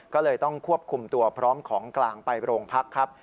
ก็เลยต้องควบคุมตัวพร้อมของกลางไปโรงพักครับ